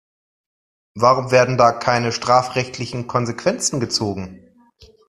Warum werden da keine strafrechtlichen Konsequenzen gezogen?